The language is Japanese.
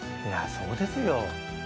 いやそうですよ。